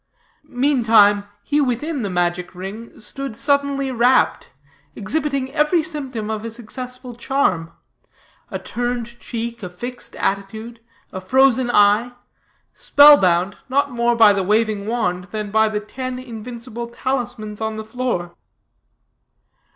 Meantime, he within the magic ring stood suddenly rapt, exhibiting every symptom of a successful charm a turned cheek, a fixed attitude, a frozen eye; spellbound, not more by the waving wand than by the ten invincible talismans on the floor.